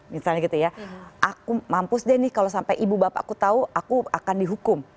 misalnya gitu ya aku mampu deh nih kalau sampai ibu bapakku tahu aku akan dihukum